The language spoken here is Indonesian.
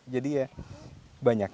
jadi ya banyak